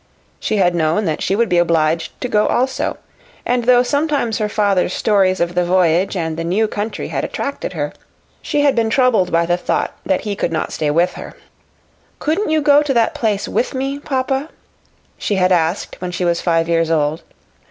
She had known that she would be obliged to go also, and though sometimes her father's stories of the voyage and the new country had attracted her, she had been troubled by the thought that he could not stay with her. "Couldn't you go to that place with me, papa?" she had asked when she was five years old.